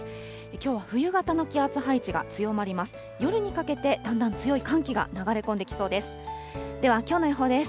きょうは冬型の気圧配置が強まります。